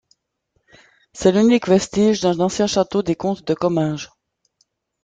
C'est l'unique vestige d'un ancien château des comtes de Comminges.